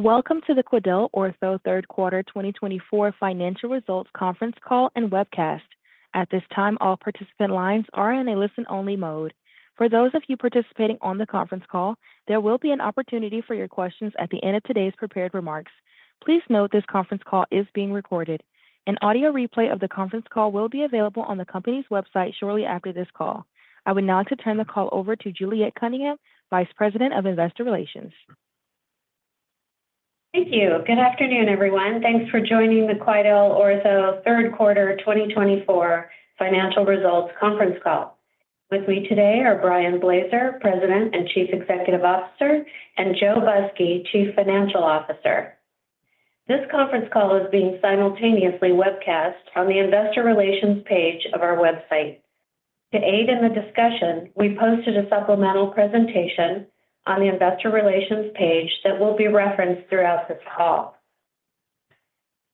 Welcome to the QuidelOrtho Third Quarter 2024 Financial Results Conference Call and Webcast. At this time, all participant lines are in a listen-only mode. For those of you participating on the conference call, there will be an opportunity for your questions at the end of today's prepared remarks. Please note this conference call is being recorded. An audio replay of the conference call will be available on the company's website shortly after this call. I would now like to turn the call over to Juliet Cunningham, Vice President of Investor Relations. Thank you. Good afternoon, everyone. Thanks for joining the QuidelOrtho Third Quarter 2024 Financial Results Conference Call. With me today are Brian Blaser, President and Chief Executive Officer, and Joe Busky, Chief Financial Officer. This conference call is being simultaneously webcast on the Investor Relations page of our website. To aid in the discussion, we posted a supplemental presentation on the Investor Relations page that will be referenced throughout this call.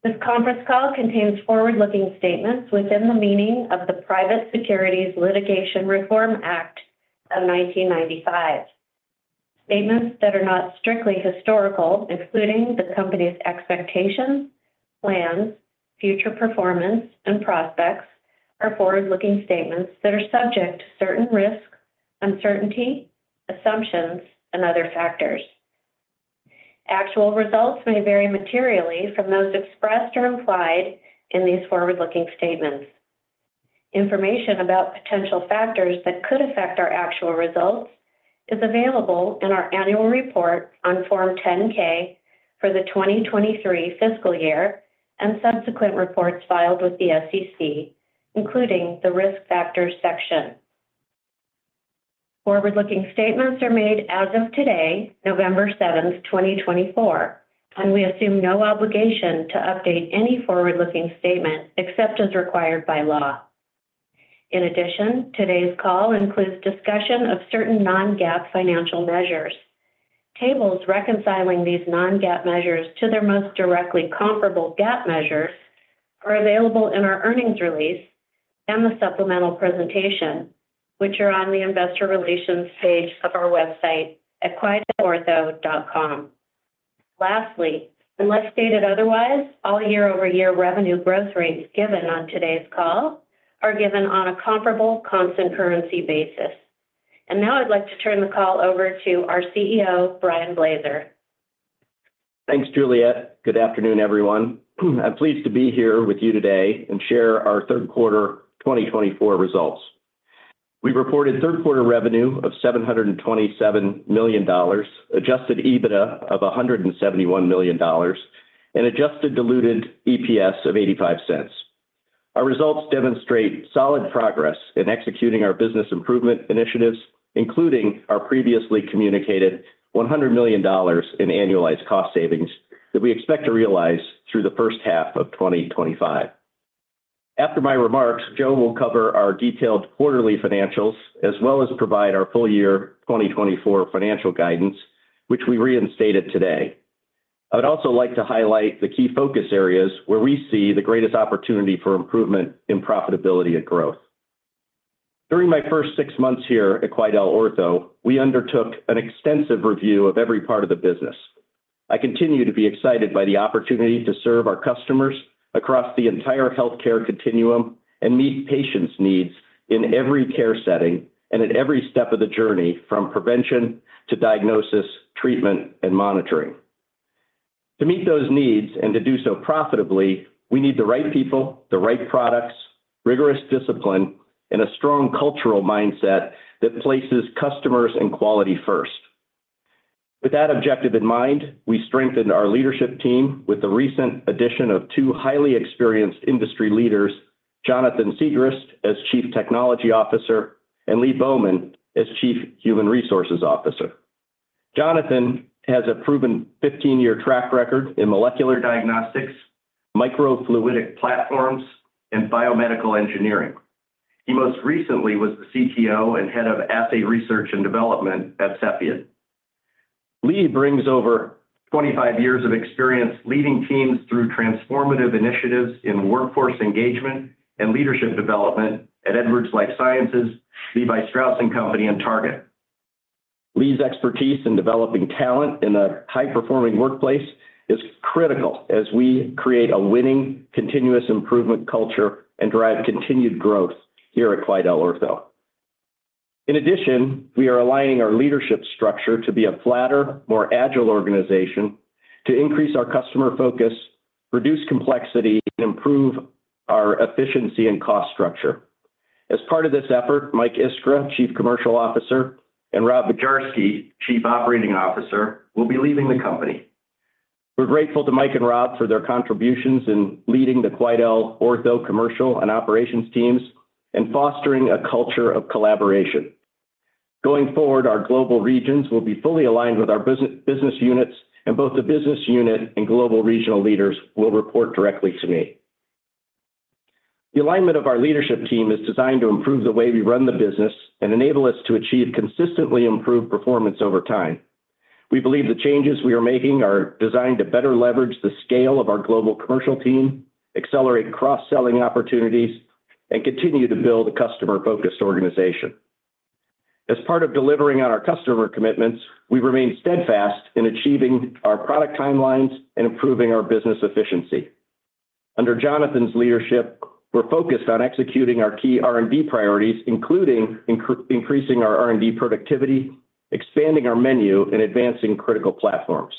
This conference call contains forward-looking statements within the meaning of the Private Securities Litigation Reform Act of 1995. Statements that are not strictly historical, including the company's expectations, plans, future performance, and prospects, are forward-looking statements that are subject to certain risks, uncertainty, assumptions, and other factors. Actual results may vary materially from those expressed or implied in these forward-looking statements. Information about potential factors that could affect our actual results is available in our annual report on Form 10-K for the 2023 fiscal year and subsequent reports filed with the SEC, including the risk factors section. Forward-looking statements are made as of today, November 7, 2024, and we assume no obligation to update any forward-looking statement except as required by law. In addition, today's call includes discussion of certain non-GAAP financial measures. Tables reconciling these non-GAAP measures to their most directly comparable GAAP measures are available in our earnings release and the supplemental presentation, which are on the Investor Relations page of our website, at quidelortho.com. Lastly, unless stated otherwise, all year-over-year revenue growth rates given on today's call are given on a comparable constant currency basis. And now I'd like to turn the call over to our CEO, Brian Blaser. Thanks, Juliet. Good afternoon, everyone. I'm pleased to be here with you today and share our third quarter 2024 results. We reported third quarter revenue of $727 million, adjusted EBITDA of $171 million, and adjusted diluted EPS of $0.85. Our results demonstrate solid progress in executing our business improvement initiatives, including our previously communicated $100 million in annualized cost savings that we expect to realize through the first half of 2025. After my remarks, Joe will cover our detailed quarterly financials as well as provide our full year 2024 financial guidance, which we reinstated today. I would also like to highlight the key focus areas where we see the greatest opportunity for improvement in profitability and growth. During my first six months here at QuidelOrtho, we undertook an extensive review of every part of the business. I continue to be excited by the opportunity to serve our customers across the entire healthcare continuum and meet patients' needs in every care setting and at every step of the journey from prevention to diagnosis, treatment, and monitoring. To meet those needs and to do so profitably, we need the right people, the right products, rigorous discipline, and a strong cultural mindset that places customers and quality first. With that objective in mind, we strengthened our leadership team with the recent addition of two highly experienced industry leaders, Jonathan Siegrist as Chief Technology Officer and Lee Bowman as Chief Human Resources Officer. Jonathan has a proven 15-year track record in molecular diagnostics, microfluidic platforms, and biomedical engineering. He most recently was the CTO and head of assay research and development at Cepheid. Lee brings over 25 years of experience leading teams through transformative initiatives in workforce engagement and leadership development at Edwards Lifesciences, Levi Strauss & Co., and Target. Lee's expertise in developing talent in a high-performing workplace is critical as we create a winning continuous improvement culture and drive continued growth here at QuidelOrtho. In addition, we are aligning our leadership structure to be a flatter, more agile organization to increase our customer focus, reduce complexity, and improve our efficiency and cost structure. As part of this effort, Mike Iskra, Chief Commercial Officer, and Rob Bujarski, Chief Operating Officer, will be leaving the company. We're grateful to Mike and Rob for their contributions in leading the QuidelOrtho commercial and operations teams and fostering a culture of collaboration. Going forward, our global regions will be fully aligned with our business units, and both the business unit and global regional leaders will report directly to me. The alignment of our leadership team is designed to improve the way we run the business and enable us to achieve consistently improved performance over time. We believe the changes we are making are designed to better leverage the scale of our global commercial team, accelerate cross-selling opportunities, and continue to build a customer-focused organization. As part of delivering on our customer commitments, we remain steadfast in achieving our product timelines and improving our business efficiency. Under Jonathan's leadership, we're focused on executing our key R&D priorities, including increasing our R&D productivity, expanding our menu, and advancing critical platforms.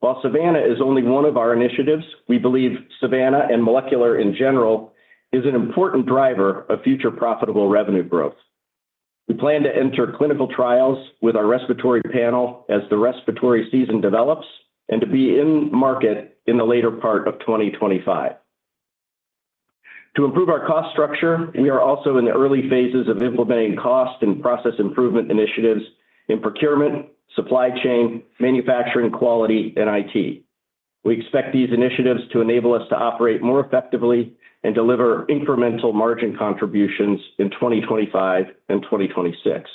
While Savanna is only one of our initiatives, we believe Savanna and molecular in general is an important driver of future profitable revenue growth. We plan to enter clinical trials with our respiratory panel as the respiratory season develops and to be in market in the later part of 2025. To improve our cost structure, we are also in the early phases of implementing cost and process improvement initiatives in procurement, supply chain, manufacturing quality, and IT. We expect these initiatives to enable us to operate more effectively and deliver incremental margin contributions in 2025 and 2026.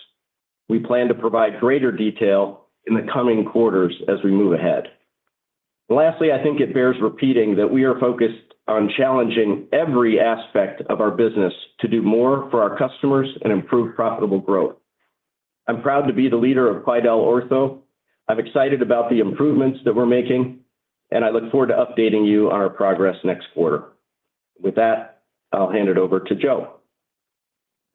We plan to provide greater detail in the coming quarters as we move ahead. Lastly, I think it bears repeating that we are focused on challenging every aspect of our business to do more for our customers and improve profitable growth. I'm proud to be the leader of QuidelOrtho. I'm excited about the improvements that we're making, and I look forward to updating you on our progress next quarter. With that, I'll hand it over to Joe.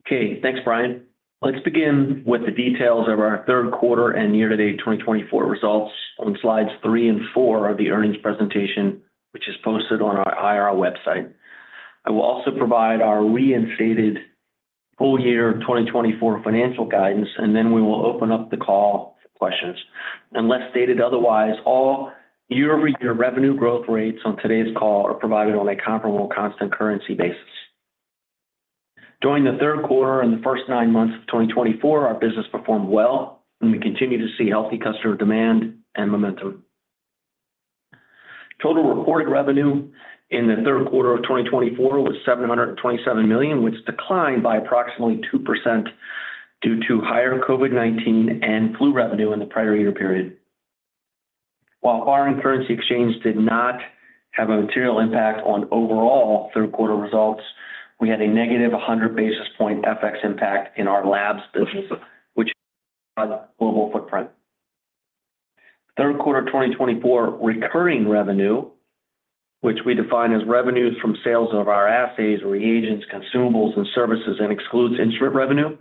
Okay, thanks, Brian. Let's begin with the details of our third quarter and year-to-date 2024 results on slides three and four of the earnings presentation, which is posted on our IR website. I will also provide our reinstated full year 2024 financial guidance, and then we will open up the call for questions. Unless stated otherwise, all year-over-year revenue growth rates on today's call are provided on a comparable constant currency basis. During the third quarter and the first nine months of 2024, our business performed well, and we continue to see healthy customer demand and momentum. Total reported revenue in the third quarter of 2024 was $727 million, which declined by approximately 2% due to higher COVID-19 and flu revenue in the prior year period. While foreign currency exchange did not have a material impact on overall third quarter results, we had a negative 100 basis point FX impact in our Labs business, which brought global footprint. Third quarter 2024 recurring revenue, which we define as revenues from sales of our assays, reagents, consumables, and services, and excludes instrument revenue,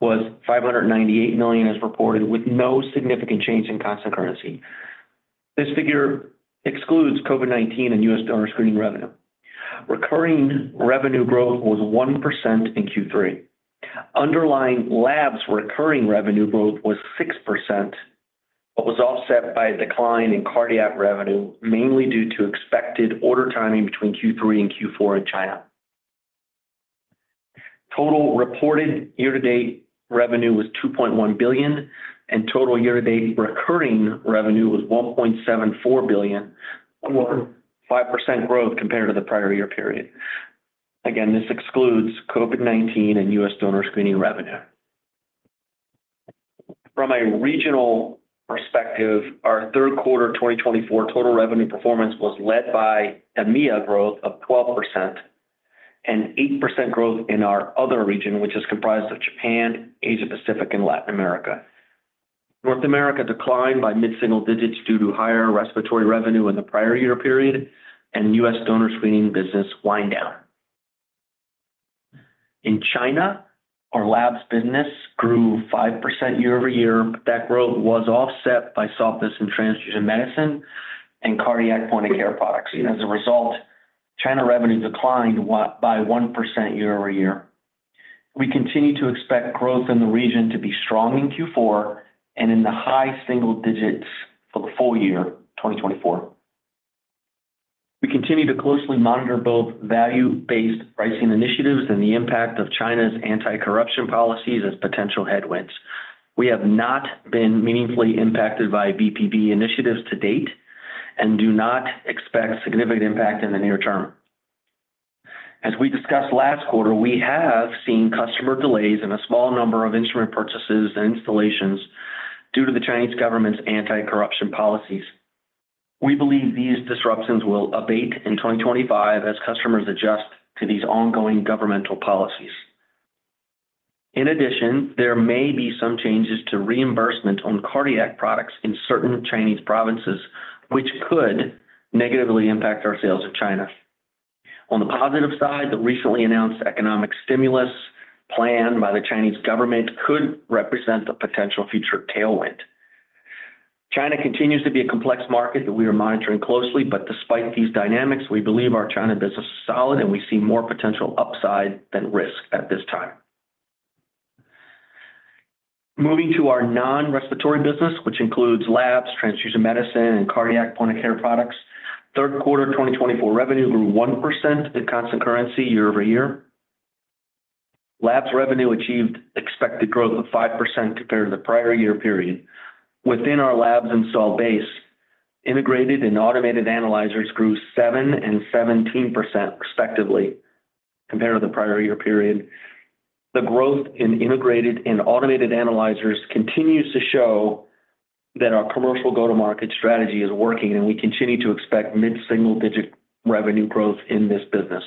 was $598 million, as reported, with no significant change in constant currency. This figure excludes COVID-19 and U.S. Donor Screening revenue. Recurring revenue growth was 1% in Q3. Underlying labs recurring revenue growth was 6%, but was offset by a decline in cardiac revenue, mainly due to expected order timing between Q3 and Q4 in China. Total reported year-to-date revenue was $2.1 billion, and total year-to-date recurring revenue was $1.74 billion, a 5% growth compared to the prior year period. Again, this excludes COVID-19 and U.S. Donor Screening revenue. From a regional perspective, our third quarter 2024 total revenue performance was led by EMEA growth of 12% and 8% growth in our other region, which is comprised of Japan, Asia-Pacific, and Latin America. North America declined by mid-single digits due to higher respiratory revenue in the prior year period, and U.S. Donor Screening business wind down. In China, our Labs business grew 5% year-over-year. That growth was offset by softness in transfusion medicine and cardiac point-of-care products. As a result, China revenue declined by 1% year-over-year. We continue to expect growth in the region to be strong in Q4 and in the high single digits for the full year 2024. We continue to closely monitor both value-based pricing initiatives and the impact of China's anti-corruption policies as potential headwinds. We have not been meaningfully impacted by VBP initiatives to date and do not expect significant impact in the near term. As we discussed last quarter, we have seen customer delays in a small number of instrument purchases and installations due to the Chinese government's anti-corruption policies. We believe these disruptions will abate in 2025 as customers adjust to these ongoing governmental policies. In addition, there may be some changes to reimbursement on cardiac products in certain Chinese provinces, which could negatively impact our sales in China. On the positive side, the recently announced economic stimulus planned by the Chinese government could represent a potential future tailwind. China continues to be a complex market that we are monitoring closely, but despite these dynamics, we believe our China business is solid and we see more potential upside than risk at this time. Moving to our non-respiratory business, which includes labs, transfusion medicine, and cardiac point-of-care products, third quarter 2024 revenue grew 1% in constant currency year-over-year. Labs revenue achieved expected growth of 5% compared to the prior year period. Within our labs installed base, integrated and automated analyzers grew 7% and 17% respectively compared to the prior year period. The growth in integrated and automated analyzers continues to show that our commercial go-to-market strategy is working, and we continue to expect mid-single digit revenue growth in this business.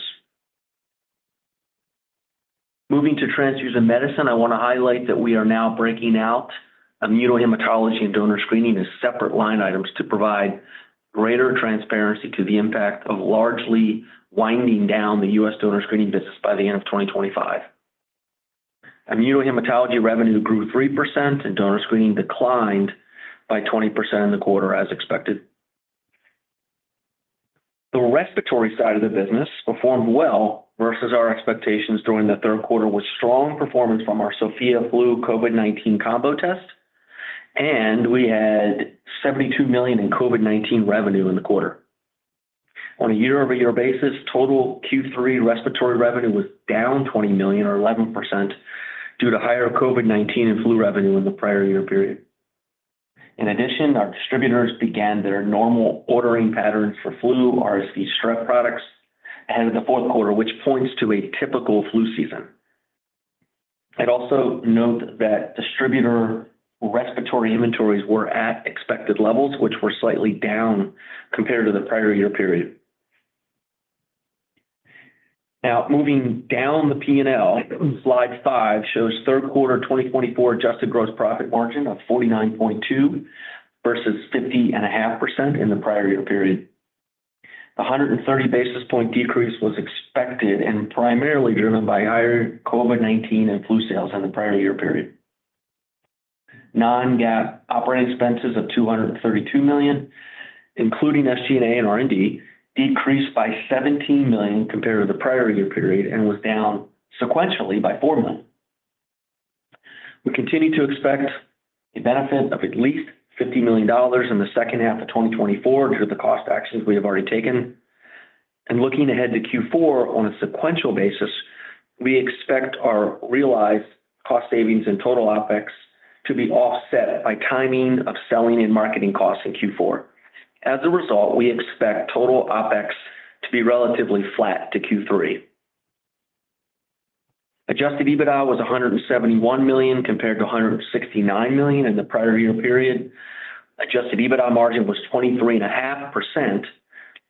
Moving to transfusion medicine, I want to highlight that we are now breaking out Immunohematology and Donor Screening as separate line items to provide greater transparency to the impact of largely winding down the U.S. Donor Screening business by the end of 2025. Immunohematology revenue grew 3%, and Donor Screening declined by 20% in the quarter as expected. The respiratory side of the business performed well versus our expectations during the third quarter with strong performance from our Sofia Flu COVID-19 combo test, and we had $72 million in COVID-19 revenue in the quarter. On a year-over-year basis, total Q3 respiratory revenue was down $20 million, or 11%, due to higher COVID-19 and flu revenue in the prior year period. In addition, our distributors began their normal ordering patterns for flu, RSV, and strep products ahead of the fourth quarter, which points to a typical flu season. I'd also note that distributor respiratory inventories were at expected levels, which were slightly down compared to the prior year period. Now, moving down the P&L, slide five shows third quarter 2024 adjusted gross profit margin of 49.2% versus 50.5% in the prior year period. The 130 basis point decrease was expected and primarily driven by higher COVID-19 and flu sales in the prior year period. Non-GAAP operating expenses of $232 million, including SG&A and R&D, decreased by $17 million compared to the prior year period and was down sequentially by $4 million. We continue to expect a benefit of at least $50 million in the second half of 2024 due to the cost actions we have already taken, and looking ahead to Q4 on a sequential basis, we expect our realized cost savings in total OpEx to be offset by timing of selling and marketing costs in Q4. As a result, we expect total OpEx to be relatively flat to Q3. Adjusted EBITDA was $171 million compared to $169 million in the prior year period. Adjusted EBITDA margin was 23.5%,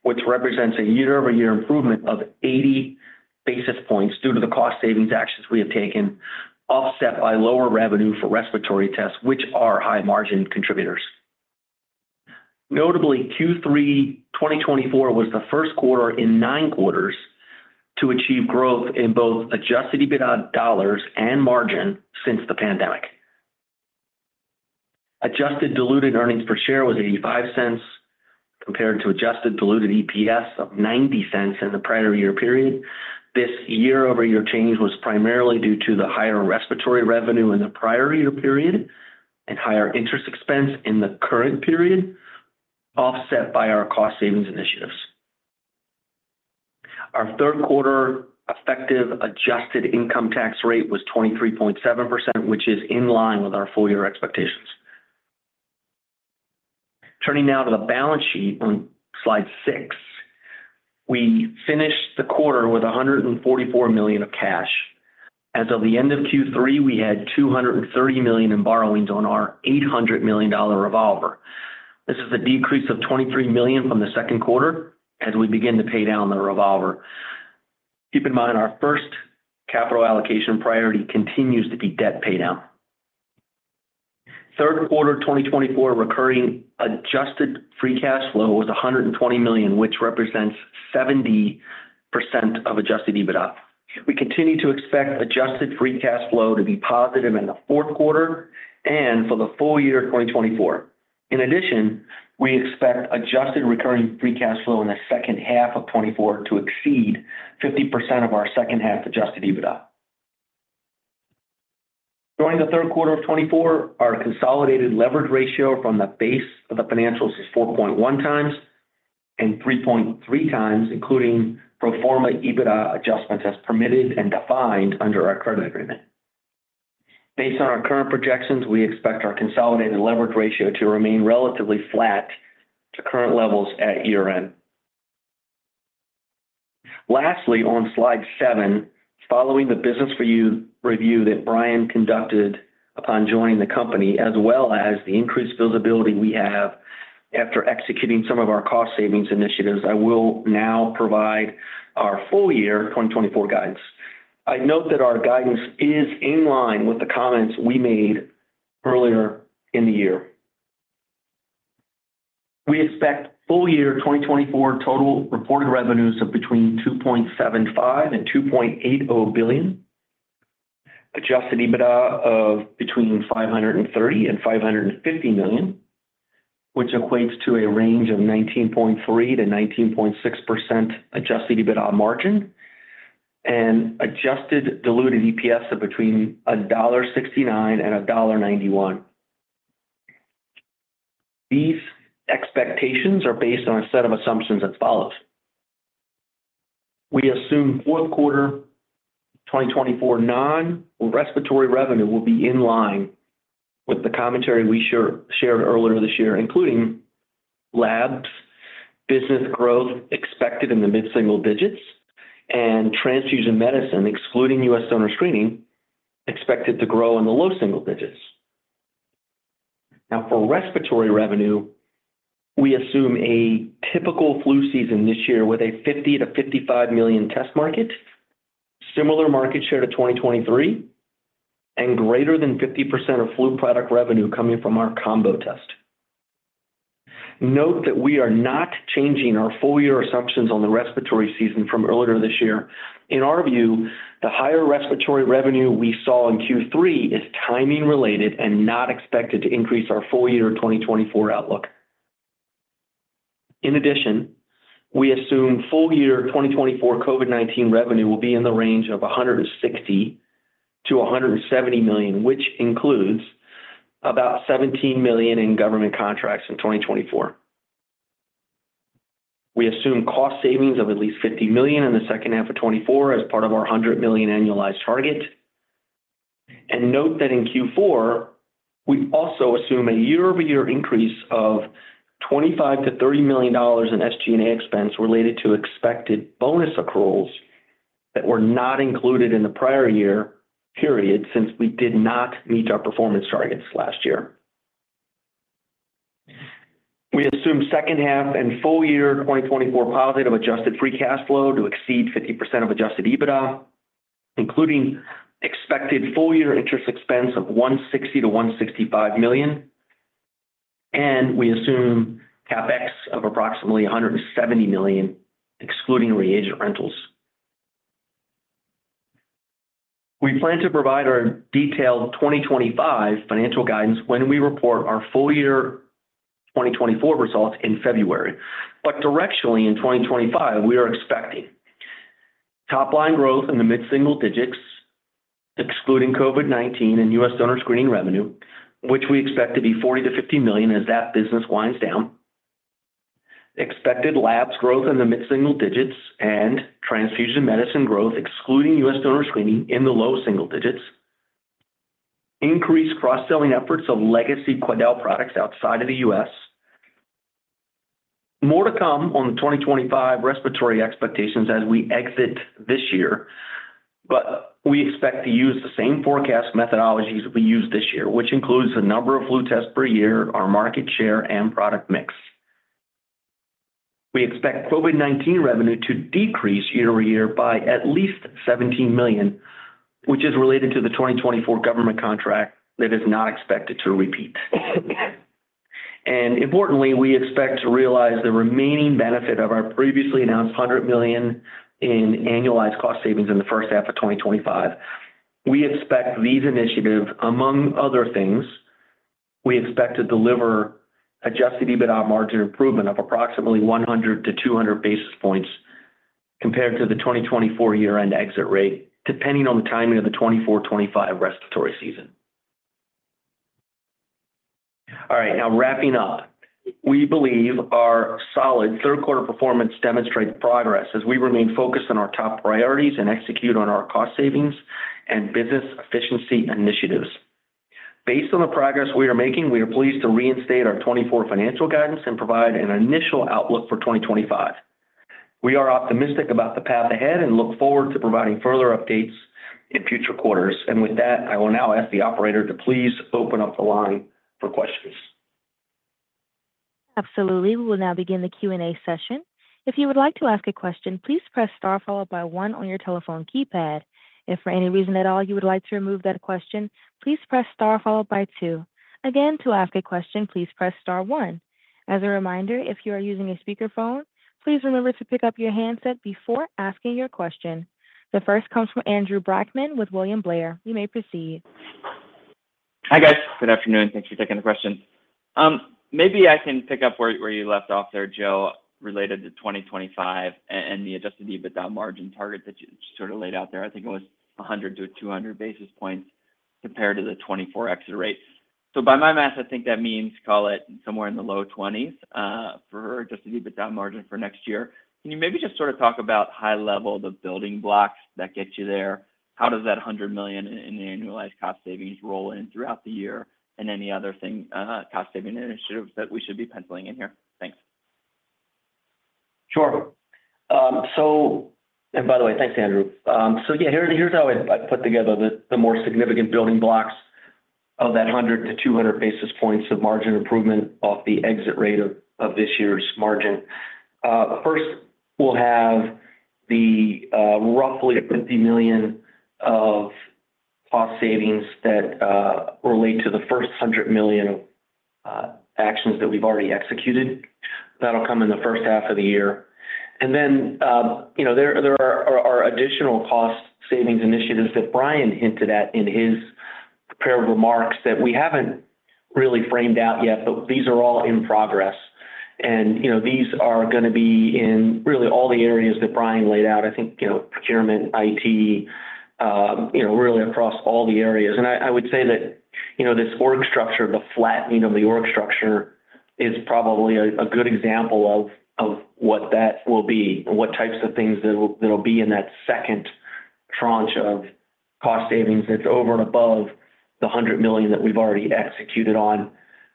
which represents a year-over-year improvement of 80 basis points due to the cost savings actions we have taken, offset by lower revenue for respiratory tests, which are high-margin contributors. Notably, Q3 2024 was the first quarter in nine quarters to achieve growth in both adjusted EBITDA dollars and margin since the pandemic. Adjusted diluted earnings per share was $0.85 compared to adjusted diluted EPS of $0.90 in the prior year period. This year-over-year change was primarily due to the higher respiratory revenue in the prior year period and higher interest expense in the current period, offset by our cost savings initiatives. Our third quarter effective adjusted income tax rate was 23.7%, which is in line with our full year expectations. Turning now to the balance sheet on slide six, we finished the quarter with $144 million of cash. As of the end of Q3, we had $230 million in borrowings on our $800 million revolver. This is a decrease of $23 million from the second quarter as we begin to pay down the revolver. Keep in mind, our first capital allocation priority continues to be debt paydown. Third quarter 2024 recurring adjusted free cash flow was $120 million, which represents 70% of adjusted EBITDA. We continue to expect adjusted free cash flow to be positive in the fourth quarter and for the full year 2024. In addition, we expect adjusted recurring free cash flow in the second half of 2024 to exceed 50% of our second half adjusted EBITDA. During the third quarter of 2024, our consolidated leverage ratio from the base of the financials is 4.1 times and 3.3 times, including pro forma EBITDA adjustments as permitted and defined under our credit agreement. Based on our current projections, we expect our consolidated leverage ratio to remain relatively flat to current levels at year-end. Lastly, on slide seven, following the business review that Brian conducted upon joining the company, as well as the increased visibility we have after executing some of our cost savings initiatives, I will now provide our full year 2024 guidance. I note that our guidance is in line with the comments we made earlier in the year. We expect full year 2024 total reported revenues of between $2.75 and $2.80 billion, adjusted EBITDA of between $530 and $550 million, which equates to a range of 19.3% to 19.6% adjusted EBITDA margin, and adjusted diluted EPS of between $1.69 and $1.91. These expectations are based on a set of assumptions as follows. We assume fourth quarter 2024 non-respiratory revenue will be in line with the commentary we shared earlier this year, including Labs business growth expected in the mid-single digits and transfusion medicine, excluding U.S. Donor Screening, expected to grow in the low single digits. Now, for respiratory revenue, we assume a typical flu season this year with a $50-$55 million test market, similar market share to 2023, and greater than 50% of flu product revenue coming from our combo test. Note that we are not changing our full year assumptions on the respiratory season from earlier this year. In our view, the higher respiratory revenue we saw in Q3 is timing-related and not expected to increase our full year 2024 outlook. In addition, we assume full year 2024 COVID-19 revenue will be in the range of $160-$170 million, which includes about $17 million in government contracts in 2024. We assume cost savings of at least $50 million in the second half of 2024 as part of our $100 million annualized target. Note that in Q4, we also assume a year-over-year increase of $25-$30 million in SG&A expense related to expected bonus accruals that were not included in the prior year period since we did not meet our performance targets last year. We assume second half and full year 2024 positive adjusted free cash flow to exceed 50% of adjusted EBITDA, including expected full year interest expense of $160-$165 million, and we assume CapEx of approximately $170 million, excluding reagent rentals. We plan to provide our detailed 2025 financial guidance when we report our full year 2024 results in February. But directionally in 2025, we are expecting top-line growth in the mid-single digits, excluding COVID-19 and U.S. Donor Screening revenue, which we expect to be $40-$50 million as that business winds down. Expected Labs growth in the mid-single digits and transfusion medicine growth, excluding U.S. Donor Screening, in the low single digits. Increased cross-selling efforts of legacy Quidel products outside of the U.S. More to come on the 2025 respiratory expectations as we exit this year, but we expect to use the same forecast methodologies we used this year, which includes the number of flu tests per year, our market share, and product mix. We expect COVID-19 revenue to decrease year-over-year by at least $17 million, which is related to the 2024 government contract that is not expected to repeat. And importantly, we expect to realize the remaining benefit of our previously announced $100 million in annualized cost savings in the first half of 2025. We expect these initiatives, among other things, we expect to deliver adjusted EBITDA margin improvement of approximately 100 to 200 basis points compared to the 2024 year-end exit rate, depending on the timing of the 2024-2025 respiratory season. All right, now wrapping up, we believe our solid third quarter performance demonstrates progress as we remain focused on our top priorities and execute on our cost savings and business efficiency initiatives. Based on the progress we are making, we are pleased to reinstate our 2024 financial guidance and provide an initial outlook for 2025. We are optimistic about the path ahead and look forward to providing further updates in future quarters. And with that, I will now ask the operator to please open up the line for questions. Absolutely. We will now begin the Q&A session. If you would like to ask a question, please press star followed by one on your telephone keypad. If for any reason at all you would like to remove that question, please press star followed by two. Again, to ask a question, please press star one. As a reminder, if you are using a speakerphone, please remember to pick up your handset before asking your question. The first comes from Andrew Brackman with William Blair. You may proceed. Hi guys. Good afternoon. Thanks for taking the question. Maybe I can pick up where you left off there, Joe, related to 2025 and the adjusted EBITDA margin target that you sort of laid out there. I think it was 100-200 basis points compared to the 2024 exit rate. So by my math, I think that means call it somewhere in the low 20s for adjusted EBITDA margin for next year. Can you maybe just sort of talk about high level the building blocks that get you there? How does that $100 million in annualized cost savings roll in throughout the year and any other cost saving initiatives that we should be penciling in here? Thanks. Sure. So, and by the way, thanks, Andrew. So yeah, here's how I put together the more significant building blocks of that 100-200 basis points of margin improvement off the exit rate of this year's margin. First, we'll have the roughly $50 million of cost savings that relate to the first $100 million actions that we've already executed. That'll come in the first half of the year, and then there are additional cost savings initiatives that Brian hinted at in his prepared remarks that we haven't really framed out yet, but these are all in progress, and these are going to be in really all the areas that Brian laid out, I think procurement, IT, really across all the areas, and I would say that this org structure, the flattening of the org structure, is probably a good example of what that will be, what types of things that'll be in that second tranche of cost savings that's over and above the $100 million that we've already executed on.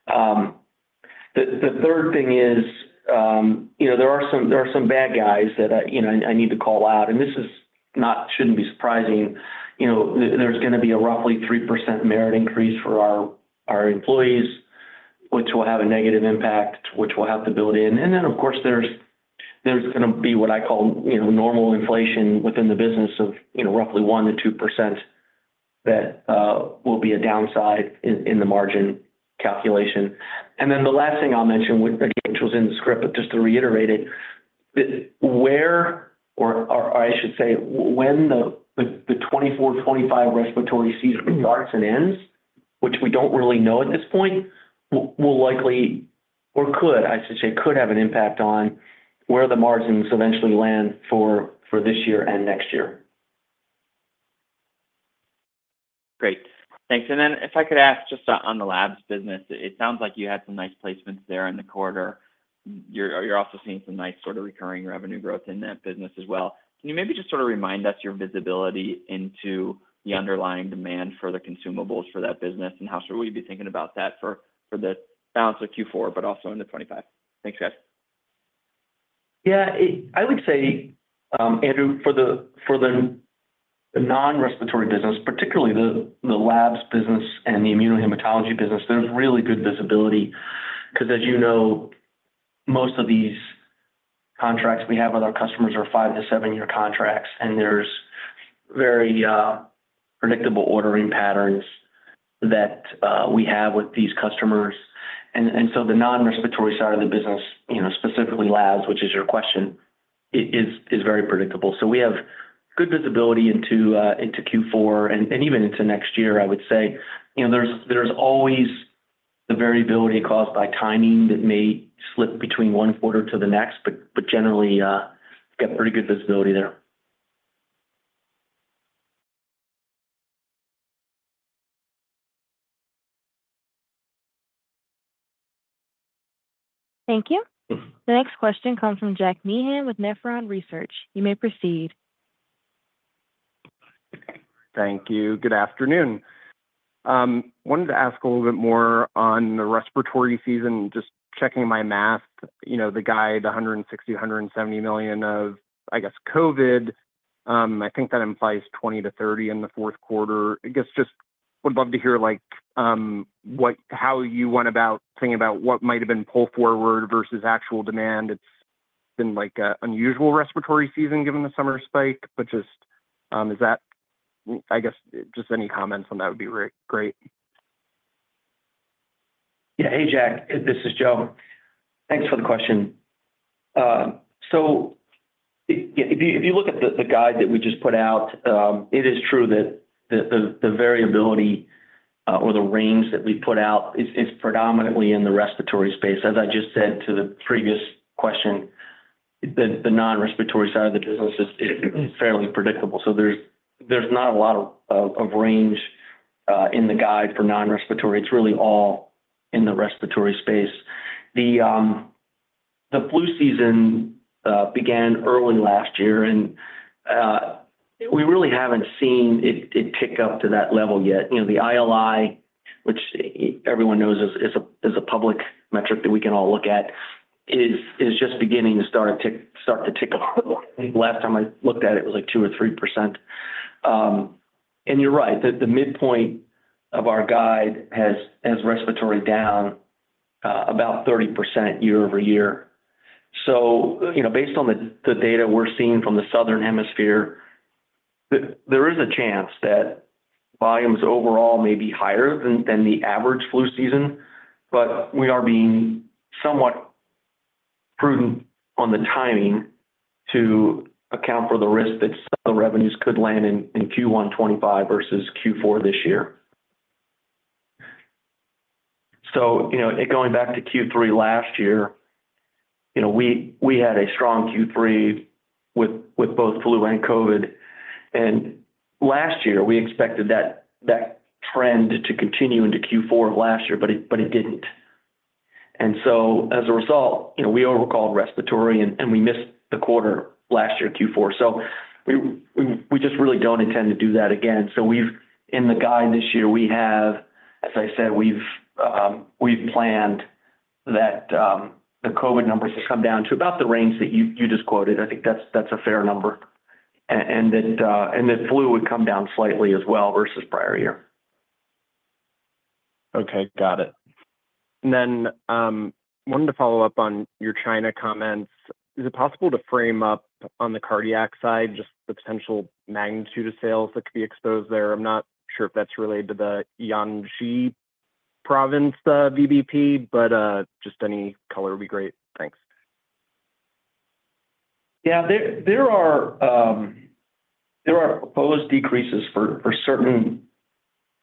The third thing is there are some bad guys that I need to call out, and this shouldn't be surprising. There's going to be a roughly 3% merit increase for our employees, which will have a negative impact, which we'll have to build in. And then, of course, there's going to be what I call normal inflation within the business of roughly 1%-2% that will be a downside in the margin calculation. And then the last thing I'll mention, which was in the script, but just to reiterate it, where, or I should say, when the 2024-2025 respiratory season starts and ends, which we don't really know at this point, will likely, or could, I should say, could have an impact on where the margins eventually land for this year and next year. Great. Thanks. And then if I could ask just on the Labs business, it sounds like you had some nice placements there in the quarter. You're also seeing some nice sort of recurring revenue growth in that business as well. Can you maybe just sort of remind us your visibility into the underlying demand for the consumables for that business, and how should we be thinking about that for the balance of Q4, but also in 2025? Thanks, guys. Yeah, I would say, Andrew, for the non-respiratory business, particularly the Labs business and the Immunohematology business, there's really good visibility because, as you know, most of these contracts we have with our customers are five- to seven-year contracts, and there's very predictable ordering patterns that we have with these customers. And so the non-respiratory side of the business, specifically Labs, which is your question, is very predictable. So we have good visibility into Q4 and even into next year, I would say. There's always the variability caused by timing that may slip between one quarter to the next, but generally, you've got pretty good visibility there. Thank you. The next question comes from Jack Meehan with Nephron Research. You may proceed. Thank you. Good afternoon. I wanted to ask a little bit more on the respiratory season, just checking my math, the guide, $160-$170 million of, I guess, COVID. I think that implies $20-$30 in the fourth quarter. I guess just would love to hear how you went about thinking about what might have been pulled forward versus actual demand. It's been an unusual respiratory season given the summer spike, but just, I guess, just any comments on that would be great. Yeah. Hey, Jack. This is Joe. Thanks for the question. If you look at the guide that we just put out, it is true that the variability or the range that we put out is predominantly in the respiratory space. As I just said to the previous question, the non-respiratory side of the business is fairly predictable. There's not a lot of range in the guide for non-respiratory. It's really all in the respiratory space. The flu season began early last year, and we really haven't seen it tick up to that level yet. The ILI, which everyone knows is a public metric that we can all look at, is just beginning to start to tick up. Last time I looked at it, it was like 2 or 3%. You're right. The midpoint of our guide has respiratory down about 30% year-over-year. Based on the data we're seeing from the Southern Hemisphere, there is a chance that volumes overall may be higher than the average flu season, but we are being somewhat prudent on the timing to account for the risk that some of the revenues could land in Q1 2025 versus Q4 this year. Going back to Q3 last year, we had a strong Q3 with both flu and COVID. Last year, we expected that trend to continue into Q4 of last year, but it didn't. As a result, we overcalled respiratory, and we missed the quarter last year, Q4. We just really don't intend to do that again. In the guide this year, we have, as I said, we've planned that the COVID numbers will come down to about the range that you just quoted. I think that's a fair number. And that flu would come down slightly as well versus prior year. Okay. Got it. And then I wanted to follow up on your China comments. Is it possible to frame up on the cardiac side just the potential magnitude of sales that could be exposed there? I'm not sure if that's related to the Jiangxi province VBP, but just any color would be great. Thanks. Yeah. There are proposed decreases for certain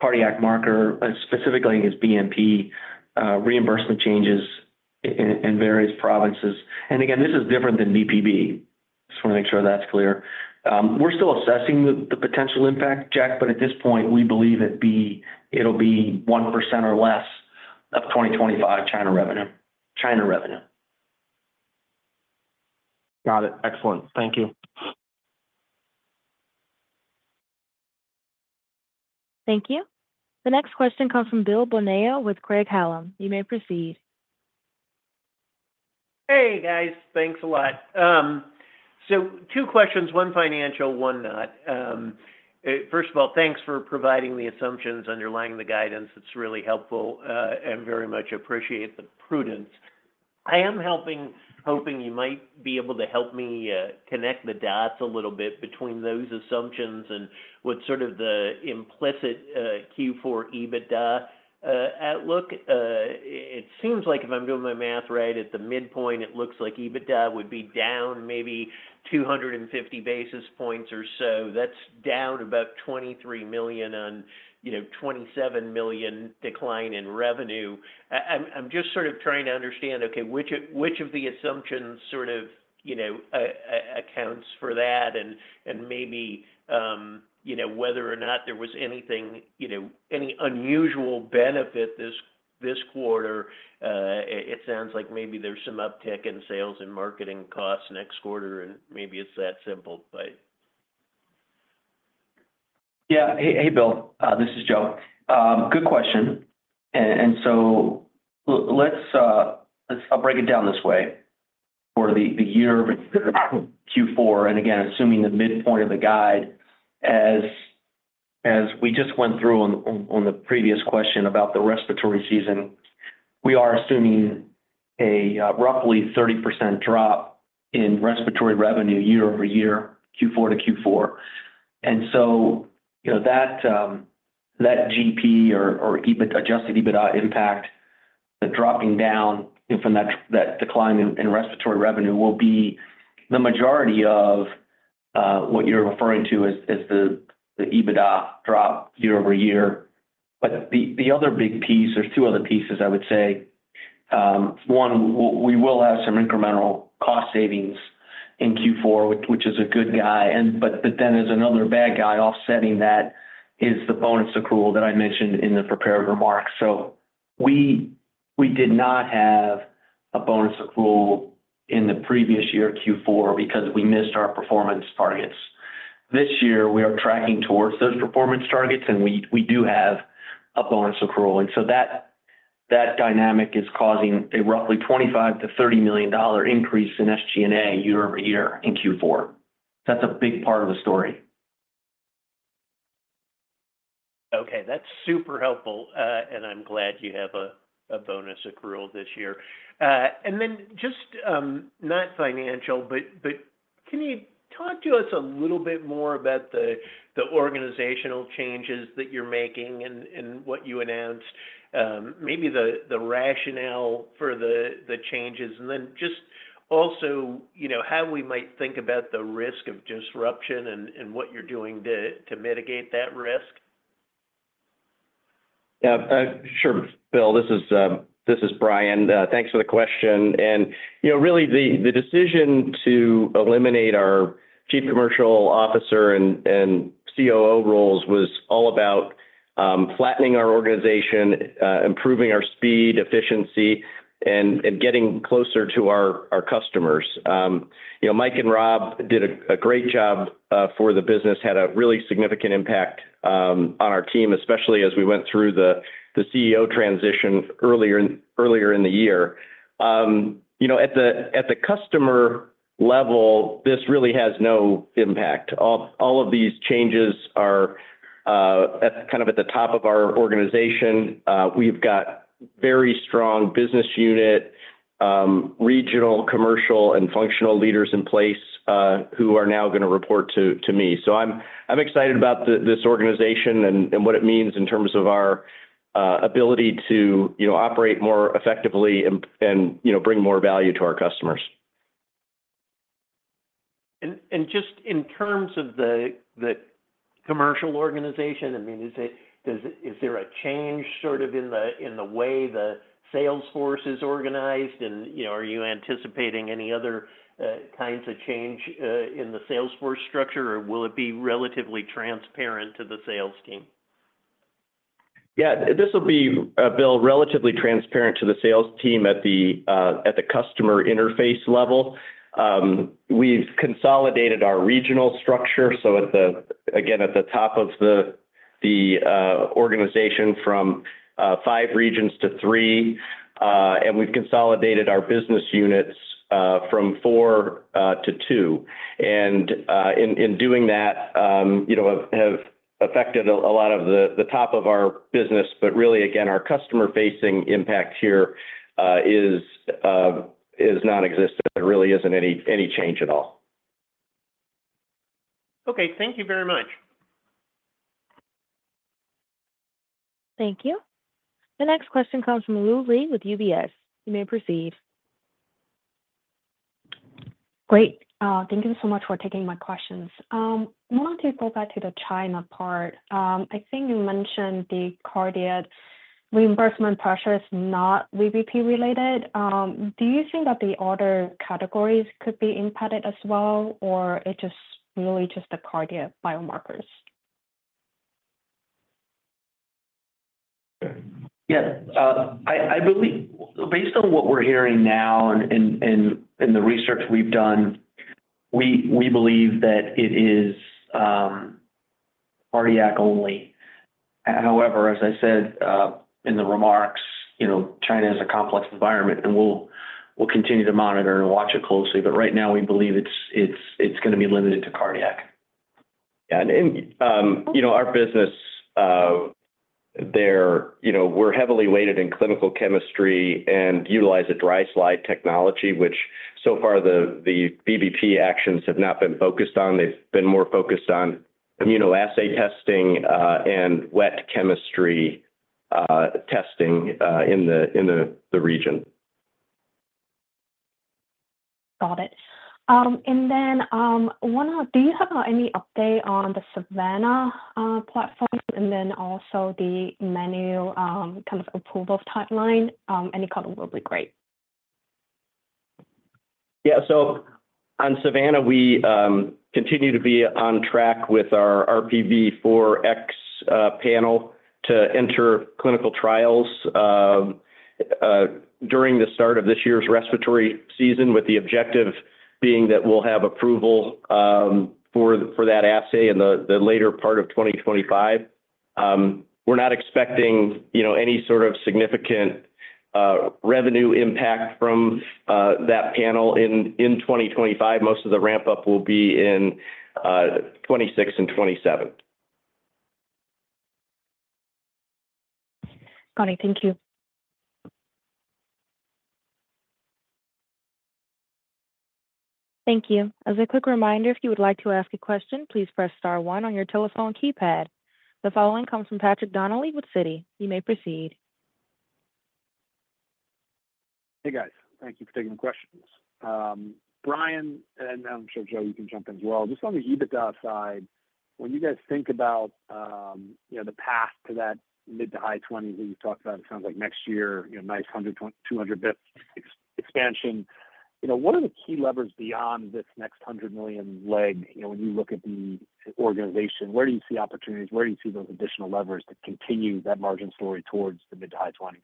cardiac markers, specifically, I guess, BNP, reimbursement changes in various provinces. And again, this is different than VBP. Just want to make sure that's clear. We're still assessing the potential impact, Jack, but at this point, we believe it'll be 1% or less of 2025 China revenue. Got it. Excellent. Thank you. Thank you. The next question comes from Bill Bonello with Craig-Hallum. You may proceed. Hey, guys. Thanks a lot. So two questions, one financial, one not. First of all, thanks for providing the assumptions underlying the guidance. It's really helpful. I very much appreciate the prudence. I am hoping you might be able to help me connect the dots a little bit between those assumptions and what's sort of the implicit Q4 EBITDA outlook. It seems like if I'm doing my math right, at the midpoint, it looks like EBITDA would be down maybe 250 basis points or so. That's down about $23 million on a $27 million decline in revenue. I'm just sort of trying to understand, okay, which of the assumptions sort of accounts for that, and maybe whether or not there was anything, any unusual benefit this quarter. It sounds like maybe there's some uptick in sales and marketing costs next quarter, and maybe it's that simple, but. Yeah. Hey, Bill. This is Joe. Good question. And so I'll break it down this way for the year of Q4. And again, assuming the midpoint of the guide, as we just went through on the previous question about the respiratory season, we are assuming a roughly 30% drop in respiratory revenue year-over -year, Q4 to Q4. And so that GP or adjusted EBITDA impact, the dropping down from that decline in respiratory revenue will be the majority of what you're referring to as the EBITDA drop year-over-year. But the other big piece, there's two other pieces I would say. One, we will have some incremental cost savings in Q4, which is a good guy. But then there's another bad guy offsetting that is the bonus accrual that I mentioned in the prepared remarks. So we did not have a bonus accrual in the previous year, Q4, because we missed our performance targets. This year, we are tracking towards those performance targets, and we do have a bonus accrual. And so that dynamic is causing a roughly $25-$30 million increase in SG&A year-over-year in Q4. That's a big part of the story. Okay. That's super helpful. And I'm glad you have a bonus accrual this year. And then just not financial, but can you talk to us a little bit more about the organizational changes that you're making and what you announced? Maybe the rationale for the changes. And then just also how we might think about the risk of disruption and what you're doing to mitigate that risk?. Yeah. Sure. Bill, this is Brian. Thanks for the question. And really, the decision to eliminate our Chief Commercial Officer and COO roles was all about flattening our organization, improving our speed, efficiency, and getting closer to our customers. Mike and Rob did a great job for the business, had a really significant impact on our team, especially as we went through the CEO transition earlier in the year. At the customer level, this really has no impact. All of these changes are kind of at the top of our organization. We've got very strong business unit, regional, commercial, and functional leaders in place who are now going to report to me. So I'm excited about this organization and what it means in terms of our ability to operate more effectively and bring more value to our customers. And just in terms of the commercial organization, I mean, is there a change sort of in the way the sales force is organized? And are you anticipating any other kinds of change in the sales force structure, or will it be relatively transparent to the sales team? Yeah. This will be, Bill, relatively transparent to the sales team at the customer interface level. We've consolidated our regional structure. So again, at the top of the organization from five regions to three, and we've consolidated our business units from four to two. And in doing that, have affected a lot of the top of our business, but really, again, our customer-facing impact here is nonexistent. There really isn't any change at all. Okay. Thank you very much. Thank you. The next question comes from Lulu Li with UBS. You may proceed. Great. Thank you so much for taking my questions. I want to go back to the China part. I think you mentioned the cardiac reimbursement pressure is not VBP-related. Do you think that the other categories could be impacted as well, or it's really just the cardiac biomarkers? Yeah. Based on what we're hearing now and the research we've done, we believe that it is cardiac only. However, as I said in the remarks, China is a complex environment, and we'll continue to monitor and watch it closely. But right now, we believe it's going to be limited to cardiac. Yeah. And our business there, we're heavily weighted in clinical chemistry and utilize a dry slide technology, which so far, the VBP actions have not been focused on. They've been more focused on immunoassay testing and wet chemistry testing in the region. Got it. And then do you have any update on the Savanna platform and then also the manual kind of approval timeline? Any comment would be great. Yeah. So on Savanna, we continue to be on track with our RPV 4X panel to enter clinical trials during the start of this year's respiratory season, with the objective being that we'll have approval for that assay in the later part of 2025. We're not expecting any sort of significant revenue impact from that panel in 2025. Most of the ramp-up will be in 2026 and 2027. Got it. Thank you. Thank you. As a quick reminder, if you would like to ask a question, please press star one on your telephone keypad. The following comes from Patrick Donnelly with Citi. You may proceed. Hey, guys. Thank you for taking the questions. Brian and I'm sure Joe, you can jump in as well. Just on the EBITDA side, when you guys think about the path to that mid- to high 20s that you've talked about, it sounds like next year, nice 200-basis-point expansion. What are the key levers beyond this next $100 million leg when you look at the organization? Where do you see opportunities? Where do you see those additional levers to continue that margin story towards the mid- to high 20s?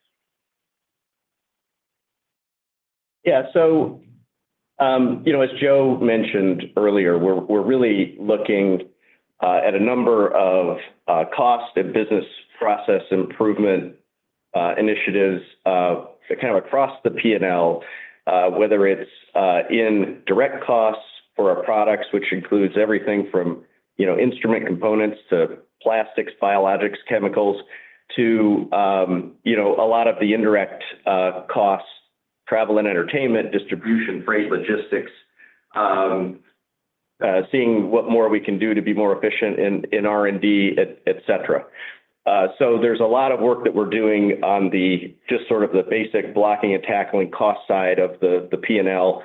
Yeah. So as Joe mentioned earlier, we're really looking at a number of cost and business process improvement initiatives kind of across the P&L, whether it's in direct costs for our products, which includes everything from instrument components to plastics, biologics, chemicals, to a lot of the indirect costs, travel and entertainment, distribution, freight, logistics, seeing what more we can do to be more efficient in R&D, etc. So, there's a lot of work that we're doing on just sort of the basic blocking and tackling cost side of the P&L.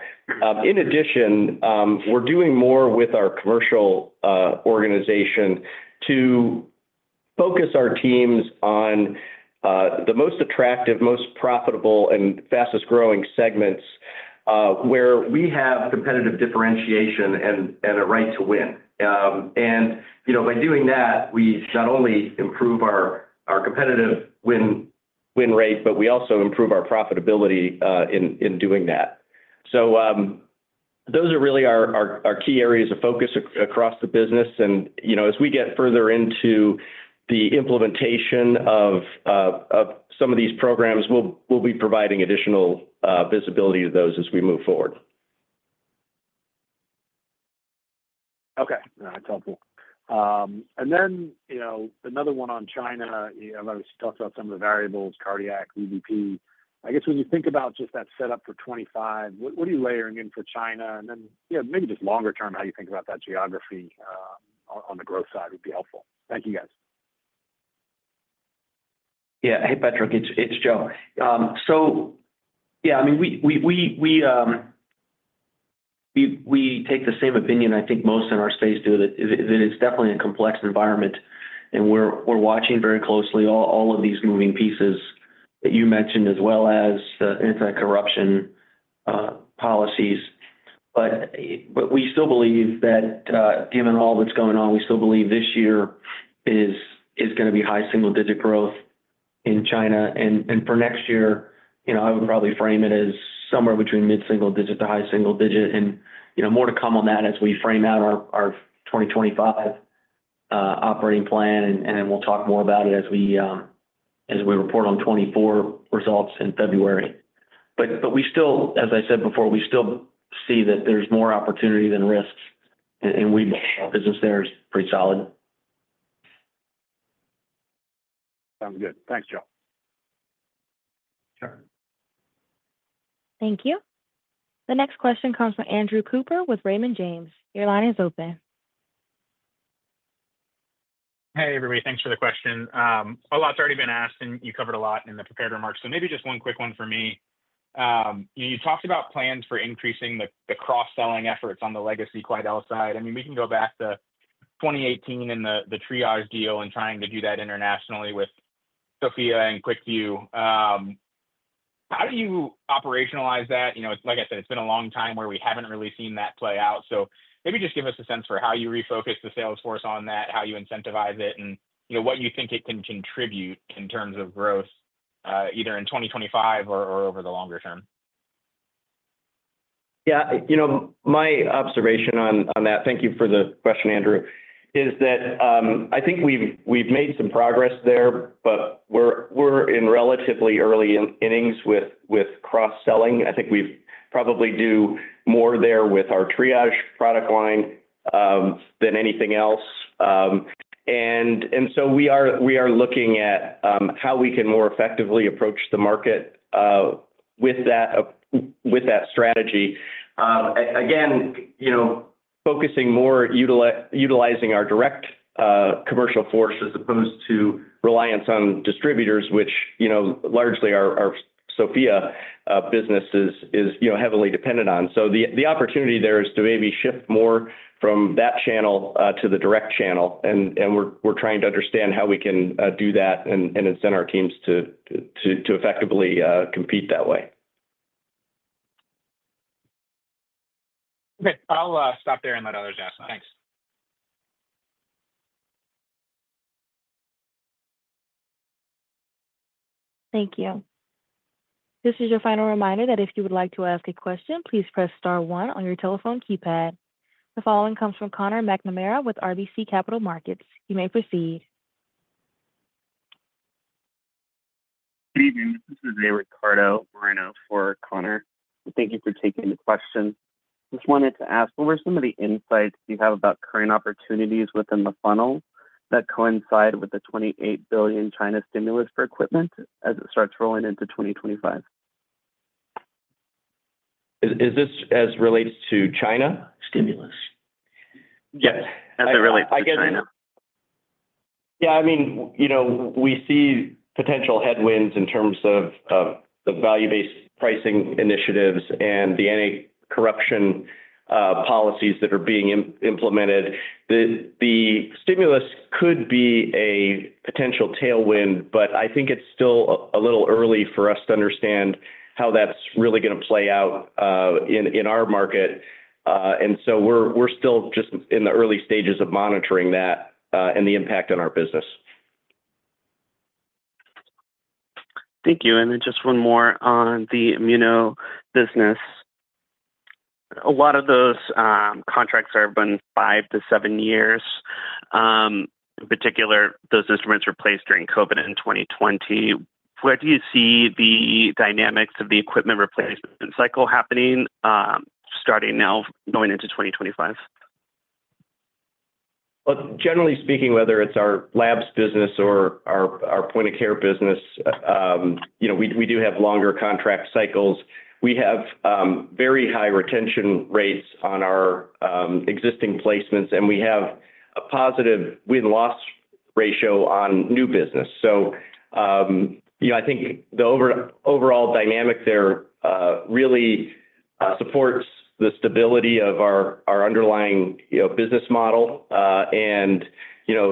In addition, we're doing more with our commercial organization to focus our teams on the most attractive, most profitable, and fastest-growing segments where we have competitive differentiation and a right to win. And by doing that, we not only improve our competitive win rate, but we also improve our profitability in doing that. So those are really our key areas of focus across the business. And as we get further into the implementation of some of these programs, we'll be providing additional visibility to those as we move forward. Okay. That's helpful. And then another one on China. I've already talked about some of the variables, cardiac, VBP. I guess when you think about just that setup for 2025, what are you layering in for China? And then maybe just longer term, how you think about that geography on the growth side would be helpful. Thank you, guys. Yeah. Hey, Patrick. It's Joe. So yeah, I mean, we take the same opinion. I think most in our space do that it's definitely a complex environment, and we're watching very closely all of these moving pieces that you mentioned, as well as anti-corruption policies. But we still believe that given all that's going on, we still believe this year is going to be high single-digit growth in China. And for next year, I would probably frame it as somewhere between mid-single digit to high single digit. And more to come on that as we frame out our 2025 operating plan, and then we'll talk more about it as we report on 2024 results in February. But as I said before, we still see that there's more opportunity than risks, and our business there is pretty solid. Sounds good. Thanks, Joe. Sure. Thank you. The next question comes from Andrew Cooper with Raymond James. Your line is open. Hey, everybody. Thanks for the question. A lot's already been asked, and you covered a lot in the prepared remarks. So maybe just one quick one for me. You talked about plans for increasing the cross-selling efforts on the legacy Quidel side. I mean, we can go back to 2018 and the Triage deal and trying to do that internationally with Sofia and QuickVue. How do you operationalize that? Like I said, it's been a long time where we haven't really seen that play out. So maybe just give us a sense for how you refocus the sales force on that, how you incentivize it, and what you think it can contribute in terms of growth either in 2025 or over the longer term?. Yeah. My observation on that, thank you for the question, Andrew, is that I think we've made some progress there, but we're in relatively early innings with cross-selling. I think we probably do more there with our Triage product line than anything else. And so we are looking at how we can more effectively approach the market with that strategy. Again, focusing more utilizing our direct commercial force as opposed to reliance on distributors, which largely our Sofia business is heavily dependent on. So the opportunity there is to maybe shift more from that channel to the direct channel. And we're trying to understand how we can do that and incent our teams to effectively compete that way. Okay. I'll stop there and let others ask. Thanks. Thank you. This is your final reminder that if you would like to ask a question, please press star one on your telephone keypad. The following comes from Connor McNamara with RBC Capital Markets. You may proceed. Good evening. This is Ricardo Moreno for Connor. Thank you for taking the question. Just wanted to ask, what were some of the insights you have about current opportunities within the funnel that coincide with the $28 billion China stimulus for equipment as it starts rolling into 2025? Is this as relates to China stimulus? Yes. As it relates to China. Yeah. I mean, we see potential headwinds in terms of the value-based pricing initiatives and the anti-corruption policies that are being implemented. The stimulus could be a potential tailwind, but I think it's still a little early for us to understand how that's really going to play out in our market. And so we're still just in the early stages of monitoring that and the impact on our business. Thank you. And then just one more on the immuno business. A lot of those contracts have been five to seven years. In particular, those instruments were placed during COVID in 2020. Where do you see the dynamics of the equipment replacement cycle happening starting now going into 2025? Well, generally speaking, whether it's our labs business or our point-of-care business, we do have longer contract cycles. We have very high retention rates on our existing placements, and we have a positive win-loss ratio on new business. So I think the overall dynamic there really supports the stability of our underlying business model and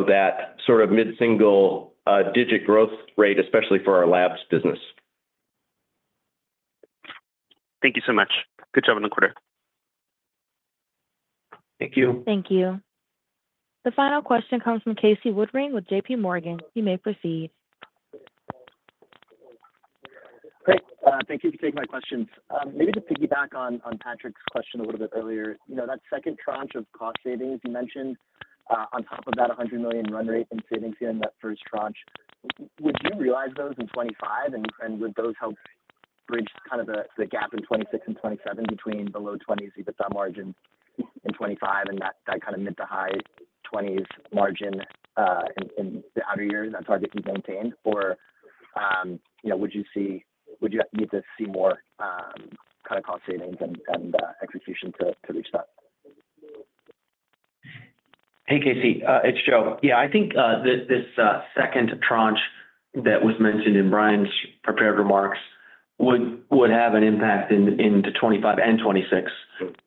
that sort of mid-single digit growth rate, especially for our Labs business. Thank you so much. Good job on the quarter. Thank you. Thank you. The final question comes from Casey Woodring with J.P. Morgan. You may proceed. Great. Thank you for taking my questions. Maybe to piggyback on Patrick's question a little bit earlier, that second tranche of cost savings you mentioned on top of that $100 million run rate and savings here in that first tranche, would you realize those in 2025? And would those help bridge kind of the gap in 2026 and 2027 between below 20% EBITDA margin in 2025 and that kind of mid- to high 20s margin in the outer year that target you've maintained? Or would you need to see more kind of cost savings and execution to reach that? Hey, Casey. It's Joe. Yeah. I think this second tranche that was mentioned in Brian's prepared remarks would have an impact into 2025 and 2026.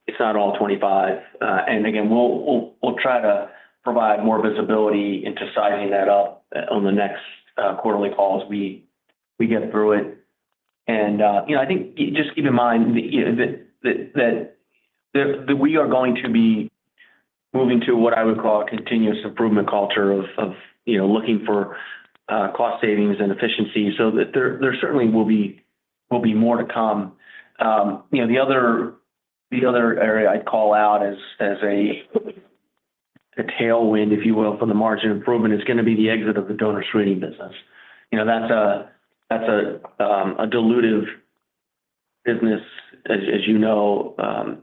It's not all 2025. And again, we'll try to provide more visibility into sizing that up on the next quarterly call as we get through it. And I think just keep in mind that we are going to be moving to what I would call a continuous improvement culture of looking for cost savings and efficiency. So there certainly will be more to come. The other area I'd call out as a tailwind, if you will, for the margin improvement is going to be the exit of the Donor Screening business. That's a dilutive business, as you know.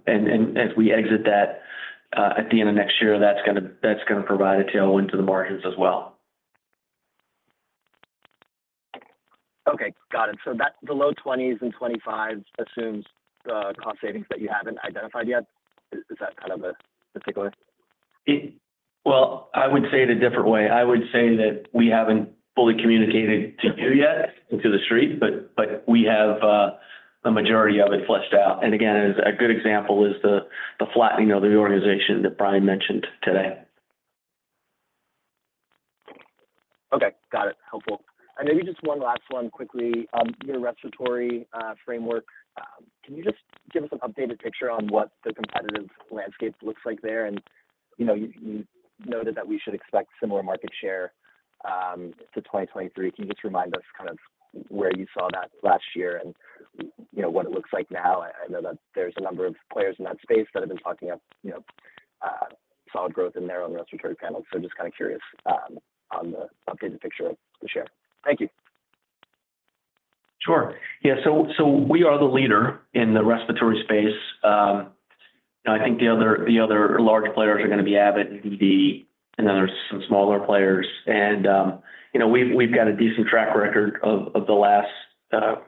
As we exit that at the end of next year, that's going to provide a tailwind to the margins as well. Okay. Got it. So the low 20s and 2025 assumes the cost savings that you haven't identified yet. Is that kind of a takeaway? Well, I would say it a different way. I would say that we haven't fully communicated to you yet and to the street, but we have a majority of it fleshed out. And again, a good example is the flattening of the organization that Brian mentioned today. Okay. Got it. Helpful. And maybe just one last one quickly. Your respiratory framework, can you just give us an updated picture on what the competitive landscape looks like there? And you noted that we should expect similar market share to 2023. Can you just remind us kind of where you saw that last year and what it looks like now? I know that there's a number of players in that space that have been talking about solid growth in their own respiratory panels. So just kind of curious on the updated picture of the share. Thank you. Sure. Yeah. So we are the leader in the respiratory space. I think the other large players are going to be Abbott and BD, and then there's some smaller players. And we've got a decent track record of the last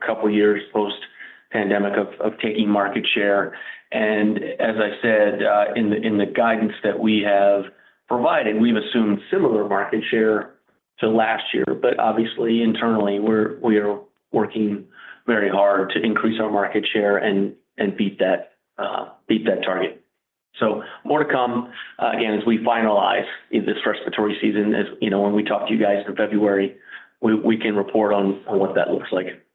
couple of years post-pandemic of taking market share. And as I said, in the guidance that we have provided, we've assumed similar market share to last year. But obviously, internally, we are working very hard to increase our market share and beat that target. So more to come. Again, as we finalize this respiratory season, when we talk to you guys in February, we can report on what that looks like.